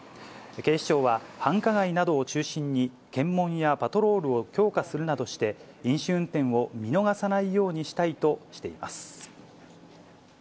警視庁は、繁華街などを中心に、検問やパトロールを強化するなどして、飲酒運転を見逃さないようにしたいとしています。